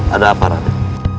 ada apa ratu